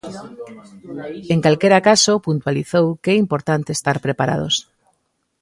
En calquera caso, puntualizou que é importante estar preparados.